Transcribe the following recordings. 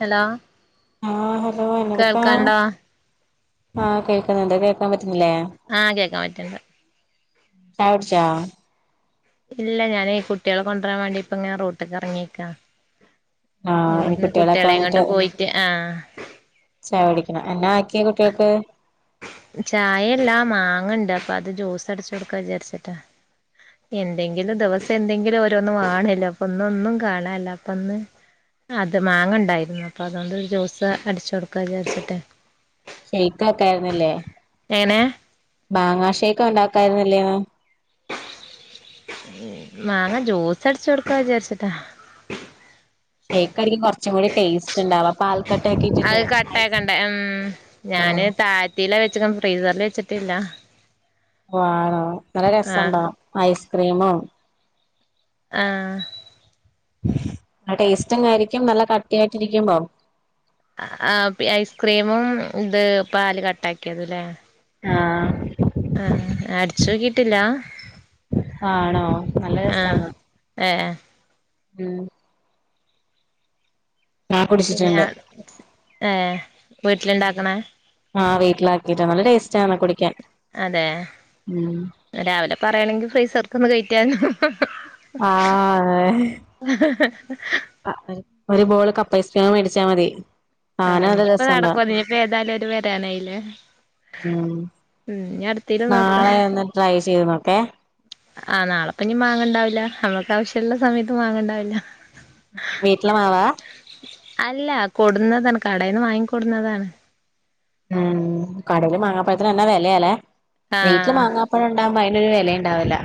Hello ആഹ് hello എന്നോടുക്കാ കേൾക്കാണ്ടോ ആഹ് കേക്കുന്നുണ്ട് കേക്ക കേക്കാൻ പറയാനില്ലേ ആഹ് കേക്കാൻ പറ്റ്ണ്ട് ചായ കുടിച്ചാ ഇല്ല ഞാനേ കുട്ടികളെ കൊണ്ടുരാൻ വേണ്ടി ഇപ്പെ ഇങ്ങനെ റോഡിക്ക് എറങ്ങിയിരിക്കാ ആഹ് ഇനി ഇവിടുന്ന് കുട്ടികളൊക്കെ കുട്ടികളെയും കൊണ്ട് പോയിട്ട് ആഹ് ചായകുടിക്കണം എന്നാ ആക്കിയെ കുട്ടികൾക്ക് ചായ അല്ലാ മാങ്ങയിണ്ട് അപ്പെ അത് ജ്യൂസ് അടിച്ച് കൊടുക്കാ വിചാരിച്ചിട്ടാ എന്തെങ്കിലും ദിവസം എന്തെങ്കിലും ഓരോന്നും വാണല്ലോ അപ്പൊ ഒന്നും ഒന്നും കാണനല്ല അപ്പൊന്ന് അത് മാങ്ങ ഒണ്ടായിരുന്നു അപ്പൊ അതുണ്ടൊരു ജ്യൂസ് അടിച്ചു കൊടുക്കാ വിചാരിച്ചിട്ടാ ഷെയിക്ക് ആക്കായിരുന്നില്ലേ എനെ മാങ്ങാ ഷെയ്ക്ക് ഒണ്ടാക്കായിരുന്നില്ലേന്ന് [unintelligible] മാങ്ങ ജ്യൂസ് അടിച്ച് കൊടുക്കാ വിചാരിച്ചിട്ടാ ഷെയ്ക്ക് ആയിരിക്കും കൊറച്ചുകൂടി ടേസ്റ്റ് ഇണ്ടാവ പാൽക്കട്ടയക്കെ അത് ഇട്ടിട്ടേ കട്ടാക്കണ്ടേ ഉം ഞാന് താഴ്ത്തീലാ വെച്ചത് ഫ്രീസറിൽ വെച്ചിട്ടില്ല ആണോ നല്ല രസ ആഹ് ഒണ്ടോ ഐസ്ക്രീമോ ആഹ് ടേസ്റ്റും ആയിരിക്കും നല്ല കട്ടിയായിട്ടിരിക്കുമ്പം ആഹ് ഐസ്ക്രീമും ഇത് പാല് കട്ടായാക്കിയതും അല്ലേ ആഹ് ആഹ് അടിച്ച് നോക്കിട്ടിയില്ലാ ആണോ നല്ല രസാണോ ഏഹ് ഉംഹ് ഞാൻ പിന്നെ കുടിച്ചിട്ടുണ്ട് ആഹ് വീട്ടില് ഇണ്ടാക്കണെ ആഹ് വീട്ടിലാക്കിട്ടാണ് നല്ല ടേസ്റ്റാണ് കുടിക്കാൻ അതെ ഉം രാവിലെ പറയണെങ്കിൽ ഫ്രീസർക്കൊന്ന് കേറ്റിയാരുന്നു ആഹ് ആഹ് ഒരു ബോള് കപ്പ് ഐസ്ക്രീം മേടിച്ചാൽ മതി. ആഹ് സാനം അത് ഇനിയിപ്പൊ രസണ്ടാ നടക്കുവോ ഇനിയിപ്പോ ഏതായാലും അവര് വരാനായില്ലേ ഉം ഉം ഇനി അടുത്തേല് നോക്കാം. നാളെ ഒന്ന് ട്രൈ ചെയ്ത് നോക്കെ ആഹ് നാളെ പിന്നെ മാങ്ങ ഒണ്ടാവില്ല നമ്മൾക്ക് ആവശ്യള്ള സമയത്ത് മാങ്ങ ഒണ്ടാവില്ല. വീട്ടിലെ മാവാ അല്ല കൊടുന്നതാണ് കടയിന്ന് വാങ്ങി കൊടുന്നതാണ്. ഉം കടയില് മാങ്ങാപ്പഴത്തിനെന്ന വെലയാല്ലേ വീട്ടില് ആഹ് മാങ്ങ പ്പഴണ്ടാവുമ്പോ അയിനൊരു വെലയുണ്ടാവുല്ല.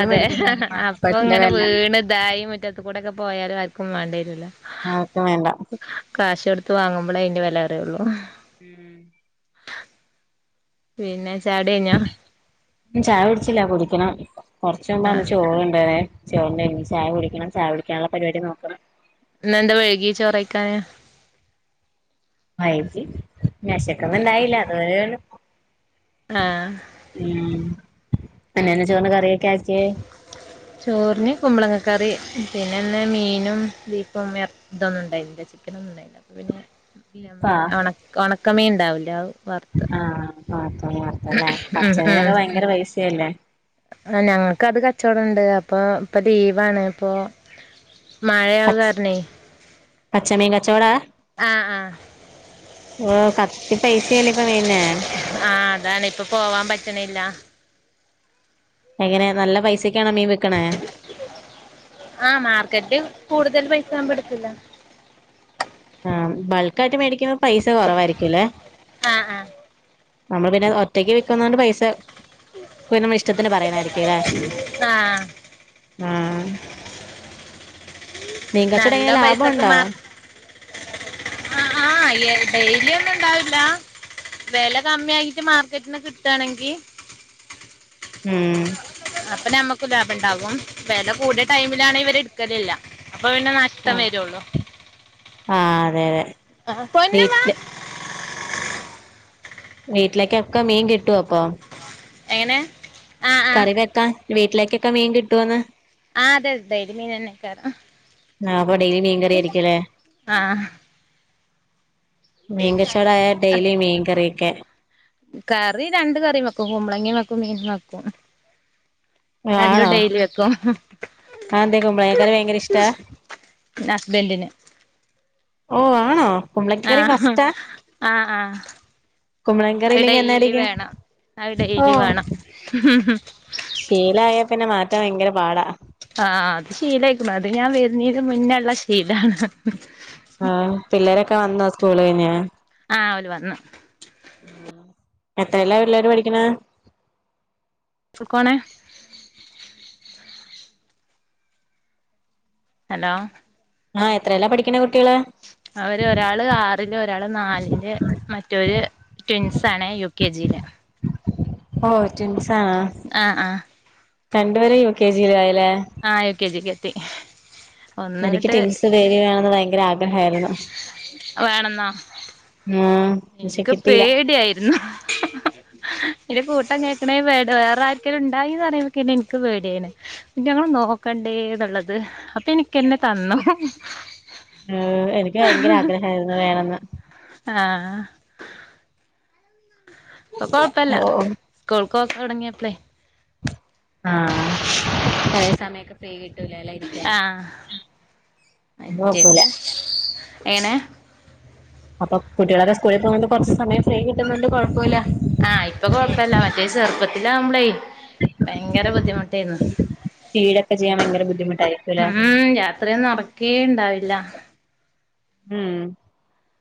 അതെ അപ്പൊങ്ങനെ അറിയ വീണ് തായി മുറ്റത്ത് കൂടെക്കെ പോയാലും ആർക്കും വേണ്ടേരൂല ആർക്കും വേണ്ട കാശൊടുത്ത് വാങ്ങുമ്പളേ അയിന്റെ വെല അറിയുള്ളു ഉം പിന്നെ ഛായുടിഎയ്ഞ്ഞോ? ഛായ കുടിച്ചില്ല കുടിക്കണം കൊറച്ച് മുമ്പാണ് ആഹ് ചോറുണ്ടതെ ചോറുണ്ടെയ്ഞ്ഞു ഇനി ഛായ കുടിക്കണം ഛായ കുടിക്കാനുള്ള പരിപാടി നോക്കണം. ഇന്നെന്താ വഴുകീ ചോറയ്ക്കാന്? [unintelligible] വെശക്കന്നുണ്ടായില്ല [unintelligible] ആ ഉം ഇന്നെന്ന ചോറിന് കറിയൊക്കെ ആക്കിയേ? ചോറിന് കുമ്പളങ്ങകറി പിന്നെന്ന് മീനും ബീഫും എറ ഇതൊന്നും ഉണ്ടായില്ല ചിക്കനൊന്നും ഉണ്ടായില്ല അപ്പ പിന്നെ ബീഫാ ഞമ്മളെ ഒണക്ക ഒണക്കമീൻ ഉണ്ടാവൂലെ അത് വറുത്ത് ആ [unintelligible] പച്ചമീനൊക്കെ ഭയങ്കര പൈസയല്ലേ ആ ഞങ്ങക്കത് കച്ചോടം ഉണ്ട് അപ്പൊ ഇപ്പൊ ലീവാണ് ഇപ്പൊ മാഴാക കാരണേയ് പച്ചമിൻ കച്ചോടാ ആ ആ ഏ കത്തി പൈസയല്ലേ ഇപ്പൊ മീനിന് ആ അതാണ് ഇപ്പൊ പോവാൻ പറ്റണില്ല. എങ്ങനെ നല്ല പൈസക്കാണോ മീൻ വിക്കണേ? ആ മാർക്കറ്റില് കൂടുതൽ പൈസ ആകുമ്പോ ഇട്ക്കില്ല. ആ ബൾക്കായിട്ട് മേടിക്കുമ്പോ പൈസ കൊറവായിരിക്കുംല്ലേ ആ ആ നമ്മൾ പിന്നെ ഒ ഒറ്റയ്ക്ക് വിക്കുന്നോണ്ട് പൈസ കു ന ഇഷ്ടത്തിന് പറയാനായിരിക്കുംല്ലേ ആ ആ നല്ല മീൻകച്ചോടടെങ്ങനെ ലാഭം പൈസക്ക് ഒണ്ടോ? [inaudible] അ ആ ഡെയിലി ഒന്നുണ്ടാവില്ല. വെല കമ്മിയായിട്ട് മാർക്കറ്റിന്ന് കിട്ടാണെങ്കി മ്മ് അപ്പൊ നമ്മക്കും ലാഭണ്ടാവും വെല കൂടിയ ടൈമിലാണ് ഇവര് ഇടുക്കലില്ല അപ്പൊ പിന്നെ നഷ് ട്ടം വരൊള്ളൂ. ആ അതെ അതെ ആ പൊന്നു വാ വീട്ടില് വീട്ടിലേകൊക്കെ മീൻ കിട്ടുവോ അപ്പൊ എങ്ങനെ ആ ആ ക്ക വീട്ടിലേക്കൊക്കെ മീൻ കിട്ടുവോന്ന് ആ അതെ അതെ മീൻ തന്നെക്കാരം. ആ അപ്പൊ ഡെയിലി മീൻ കറിയായിരിക്കുംല്ലേ ആ മീങ്കച്ചോടായ ഡെയ്ലി മീൻ കറിവെക്ക കറി രണ്ട് കറിം വെക്കും കുമ്പ്ളങ്ങി വെക്കും മീനും വെക്കും രണ്ടും ആണോ ഡൈലി വെക്കോ അതെന്തേ കുമ്പളങ്ങക്കറി ഭയങ്കര ഇഷ്ടാ പിന്നെ ഹസ്ബെന്റ് ന് ഓ ആണോ കുമ്പളങ്ങക്കറി ആഹ് മസ്റ്റാ ആഹ് ആഹ് കുമ്പളങ്ങക്കറി അത് ഇല്ലെങ്കി ഡെയ്ലി എന്നായിരിക്കും വേണം അത് ഡെയ്ലി വേണം ശീലായാ പിന്നെ മാറ്റാൻ ഭയങ്കര പാടാ ആ അത് ശീലായ്ക്കുണു അത് ഞാൻ വര്ന്നീന് മുന്നള്ള ശീലാ ആ പിള്ളേരൊക്കെ വന്നോ സ്കൂളയ്ഞ് ആ ഓല് വന്നു എത്രയല്ല പിള്ളേര് പഠിക്ക്‌ണേ സുക്കോണേ ഹലോ ആ എത്രയല്ല പഠിക്കണ കുട്ടികള് അവര് ഒരാള് ആറില് ഒരാള് നാലില് മറ്റോര് ട്വിൻസ് ആണേ യു കെ ജില് ഓ റ്റിൻ സാണോ ആഹ് ആഹ് രണ്ടുപേരും യു കെ ജീലായി ലേ ആ യു കെ ജിക്ക്‌ എത്തി എനിക്ക് ഒന്ന്ങ്ങട്ട് ട്വിൻസ് വേരികാന്ന്ള്ള ഭയങ്കര ആഗ്രഹായിരുന്നു അത് വേണെന്നോ മ്മാ ഇൻക്ക് പേടിയായിരുന്നു ഒരു കൂട്ടം കേക്കണേ മേടം വേറെ ആര്ക്കേലും ണ്ടായീന്ന് പറയുമ്പക്കന്നെ ഇൻക്ക് പേട്യേണ് റ്റങ്ങളെ നോക്കണ്ടേ ന്ന്ള്ളത് അപ്പൊ എനിക്കെന്നെ തന്നു ആ എനിക്ക് ഭയങ്കര ആഗ്രഹായിരുന്നു വേണന്ന് ആഹ് ആഹ് ഇപ്പ ഓ കൊഴ്പ്പല്ല സ്കൂൾക്കോക്ക് തൊടങ്ങിയപ്പളേയ് ആ ചെലേ സമയൊക്കെ പേടി ആ മറ്റേത് നോക്കൂല എങ്ങനെ അപ്പൊ കുട്ടികളൊക്കെ സ്കു ളിൽ പോകണ്ട് കുറച്ച് സമയം ഫ്രീ കിട്ടുന്നുണ്ട് കുഴപ്പമില്ല ആ ഇപ്പൊ കൊഴപ്പല്ല മറ്റേ ചെറുപ്പത്തിലാവുമ്പളേയ് ഭയങ്കര ബുദ്ധിമുട്ടേര്ന്നു ഫീഡൊക്കെ ചെയ്യാൻ ഭയങ്കര ബുദ്ധിമുട്ടായിരിക്കുംല്ലേ ഉം രാ ത്രിയൊന്നും ഒറക്കേ ണ്ടാവില്ല ഉം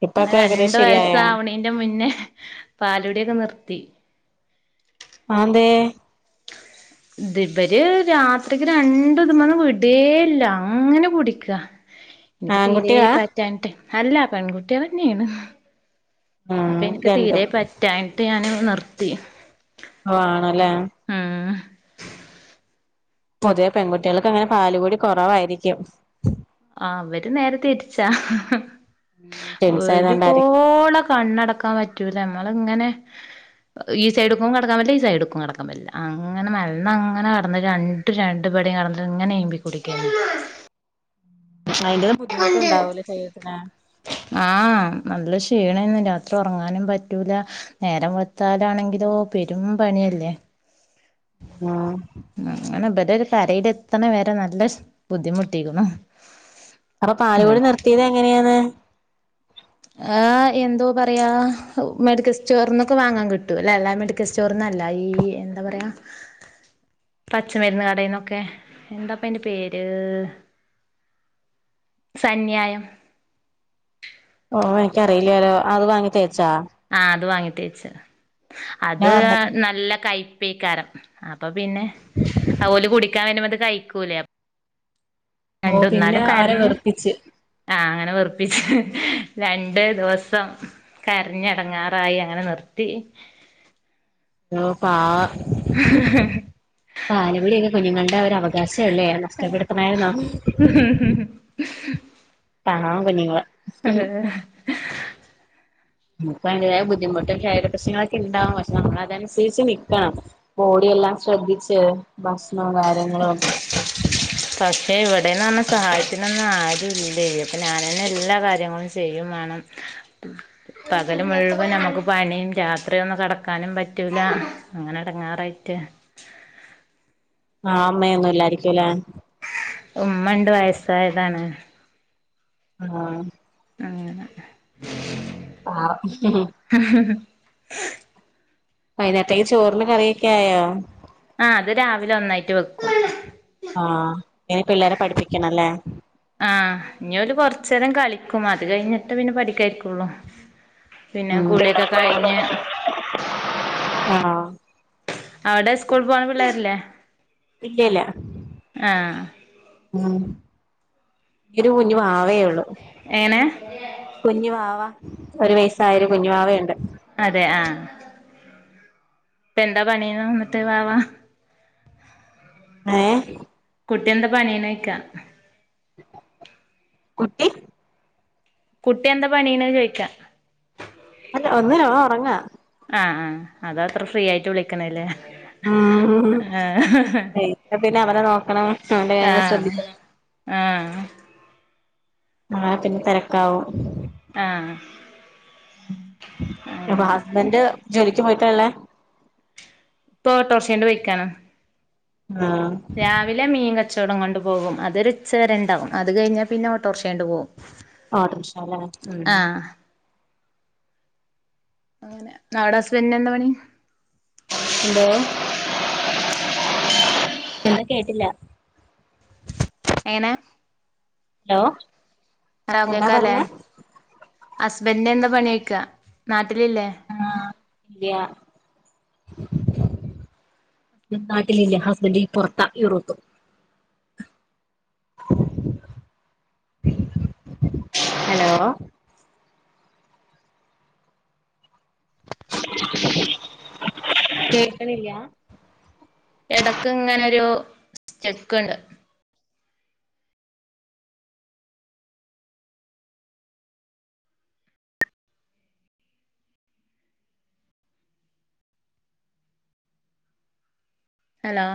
ഇപ്പൊക്കെ ഏകതേ ശരിയായാ അയ്ന്റെ മുന്നെ പാലുടിക്കെ നിർത്തി അത് ന്തേ ഇത് ഇവര് രാത്രിക്ക് രണ്ടും തിമന്ന് വിടേല്ല അങ്ങനെ കുടിക്ക [inaudible] എനിക്ക് തീരെ പറ്റാൻട്ട് അല്ല പെൺകുട്ട്യാളെന്നേണ് അപ്പ ഉം ഇൻക്ക് തീരെ രണ്ടും പറ്റായ്ട്ട് ഞാനത് നിർത്തി ഓ ആണല്ലേ ആഹ് പൊതുവെ പെൺകുട്ടികൾക്ക് അങ്ങനെ പാല് കൂടി കുറവായിരിക്കും ആ വര് നേരെ തിരിച്ചാ ട്വിൻസ് ആയതുകൊണ്ടായിരിക്കും ഒരുപോള കണ്ണടക്കാൻ പറ്റൂല നമ്മള ഇങ്ങനെ ഈ സൈഡ് ക്കും കിടക്കാൻ പറ്റില്ല ഈ സൈഡ് ക്കും കിടക്കാൻ ൻ പറ്റില്ല അങ്ങനെ മലന്ന് അങ്ങനെ കിടന് രണ്ട് രണ്ട് പട കന്ന് ഇങ്ങനെഇമ്പി കുടിക്കന്നെ അയ്ന്റെ ബുദ്ധിമുട്ട് ഉണ്ടാവൂലേ ശരീരത്തിന് ആ നല്ല ക്ഷീണേന്ന് രാത്രി ഉറങ്ങാനും പറ്റൂല നേരം വെള്ത്താലാണെങ്കിലോ പെരും പണില്ലേ ആ അങ്ങനെ വരരു കരയൽ എത്തണ വരെ നല്ല ബുദ്ധിമുട്ടിരിന്നു അപ്പൊ പാലു കുടി നിർത്തിത് എങ്ങനെണ് ആ എന്തോ പറയാ മെഡിക്കൽ സ്റ്റോറിന്നൊക്കെ വാങ്ങാൻ കിട്ടൂ എല്ലാ മെഡ ക്കൽ സ്റ്റോറിന്നല്ല ഈ എന്താ പറയ പച്ചമരുന്ന് കടയിന്നൊക്കെ എന്താപ്പന്റെ പേര് സന്യായം ഓ എനിക്കറിയില്ലരോ അത് വാങ്ങി തേച്ചാ ആ അത് വാങ്ങി തേച്ച് പിന്നെ അത് വന്നിട്ട് നല്ല കയ്പ്പേക്കാരം അപ്പൊ പിന്നെ ഓല് കുടിക്കാൻ വരുമ്പത് കഴിക്കൂലേ ഓ രണ്ടു പിന്നെ ന്നാലും അവരെ കരഞ്ഞു വെറുപ്പിച്ച് ആ അങ്ങനെ വെറുപ്പിച്ചു രണ്ട് ദിവസം കരഞെടങ്ങാറായി അങ്ങനെ നിർത്തി [unintelligible] പാ [inaudible] പാൽകുടിയൊക്കെ കുഞ്ഞുങ്ങളുടെ ഒരു അവകാശല്ലേ അത് നഷ്ടപ്പെടുത്തണേന്നോ [inaudible] പാവം കുഞ്ഞുങ്ങള് ഭയങ്കരായ ബുദ്ധിമുട്ടും ശരീര പ്രശ്നങ്ങളൊക്കെണ്ടാവും പക്ഷെ നമ്മളതനുസരിച്ച് നിക്കണം ബോഡിയെല്ലാം ശ്രദ്ധിച്ച് ഭക്ഷണവും കാര്യങ്ങളും [inaudible] [inaudible] പക്ഷെ ഇവിടെന്ന്റ്ഞ്ഞ സഹായത്തിനൊന്നം ആരുംല്ലേ അപ്പൊ ഞാനന്നെ എല്ലാ കാര്യങ്ങളും ചെയ്യും വേണം [inaudible] പകൽ മുഴുവൻ നമുക്ക് പണിയും രാത്രി യൊന്ന് കടക്കാനും പറ്റൂല്ല അങ്ങനെ എടങ്ങാറായിട്ട് ആ അമ്മയൊന്നുംല്ലായിരിക്കല്ലേ ഉമ്മണ്ട് വയസ്സായതാണ് ആഹ് അങ്ങനെ പാവം [unintelligible] വൈനേരത്തേക്ക് ചോറിന് കറിയൊക്കെ ആയോ ആ അത് രാവിലെ ഒന്നായിറ്റ് വെക്കും ആ ഇനി പിള്ളേര പഠിപ്പിക്കണംല്ലേ ആ ഇഞ് ഓല് കൊറച്ചേരം കളിക്കും അത് കഴിഞ്ഞിട്ട് പിന്നെ പഠിക്കായിരിക്കുള്ളൂ പിന്നെ ഉം കുള്യൊക്കെ കഴിഞ്ഞ്. ആഹ് അവ്ടെ സ്കൂൾ പോണ പിള്ളേരില്ലേ? ഇല്ലല്ല ആഹ് ഉം ഒരു കുഞ്ഞു വാവേ ഒള്ളൂ. എങ്ങനെ കുഞ്ഞു വാവ ഒരു വയസ്സായൊരു കുഞ്ഞു വാവയുണ്ട്. അതെ ആഹ് ഇപ്പെന്താ പണിന്ന് ന്നട്ട് വാവാ. ഏഹ്? കുട്ട്യെന്താ പണിനോയ്ക്കാ. കുട്ടി കുട്ട്യെന്താ പണീന്ന് ചോയ്ക്കാ അല്ല ഒന്നുല്ല ഓ ഒർങ്ങാ. ആഹ് ആഹ് അതാ ത്രേ ഫ്രീ യായിട്ട് വിളിക്ക്ണല്ലേ. ഉം ഇല്ലെ പിന്നെ അവനെ നോക്കണം ഹുംവൻ്റെ കാര്യങ്ങള് ആഹ് ശ്രദ്ധിക്കണം. ആഹ് അങ്ങനെ പിന്നെ തെരക്കാവും. ആഹ് അപ്പൊ ഹസ്ബൻ്റ് ജോലിക്ക് പോയിട്ടാള്ളേ? ഇപ്പൊ ഓട്ടോറ്ഷേണ്ട് പെയ്ക്കാണ്. ആഹ് രാവിലെ മീൻ കച്ചവടം കൊണ്ട് പോകും അതൊരുച്ചവരെണ്ടാവും അത് കഴിഞ്ഞാ പിന്നെ ഓട്ടോർഷേണ്ട് പോവും ഓട്ടർഷ ല്ലേ ഉം അവടെ ഹസ്ബന്റിനെന്താപണി? എന്തോ എന്താ കേട്ടില്ല. എങ്ങനെ? Law hello കേകാല്ലേ ഹസ്ബെൻ്റിനെന്താ പണ്യോയ്ക്കാ നാട്ടിലില്ലേ? ആഹ് യാ നാട്ടിലില്ല ഹസ്ബൻ്റീ പൊറത്താ യൂറോപ്പ്. [inaudible] ഹലോ കേക്ക്ണില്ല്യാ? എടക്ക്ങ്ങനൊരു സ്റ്റെക്ക്ണ്ട്. ഹലോ